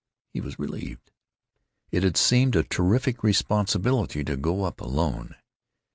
He was relieved. It had seemed a terrific responsibility to go up alone.